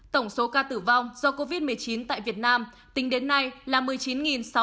tổng số ca tử vong do covid một mươi chín tại việt nam tính đến nay là một mươi chín sáu trăm linh một ca